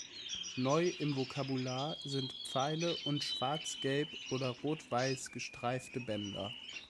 Neu im Vokabular sind Pfeile und schwarz-gelb oder rot-weiß gestreifte Bänder.